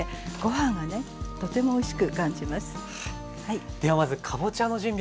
はい。